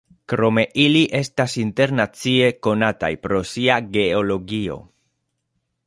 Krome ili estas internacie konataj pro sia geologio.